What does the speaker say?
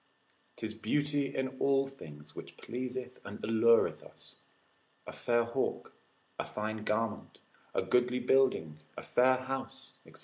'Tis beauty in all things which pleaseth and allureth us, a fair hawk, a fine garment, a goodly building, a fair house, &c.